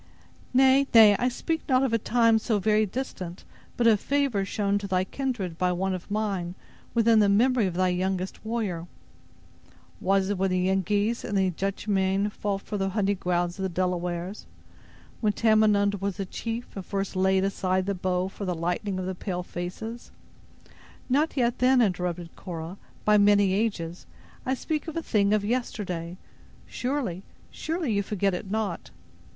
"Nay, nay; I speak not of a time so very distant, but of favor shown to thy kindred by one of mine, within the memory of thy youngest warrior." "Was it when the Yengeese and the Dutchmanne fought for the hunting grounds of the Delawares? Then Tamenund was a chief, and first laid aside the bow for the lightning of the pale faces—" "Not yet then," interrupted Cora, "by many ages; I speak of a thing of yesterday. Surely, surely, you forget it not."